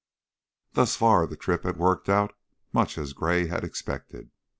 Thus far the trip had worked out much as Gray had expected.